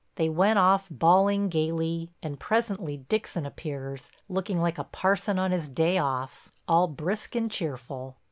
They went off bawling gayly, and presently Dixon appears, looking like a parson on his day off, all brisk and cheerful.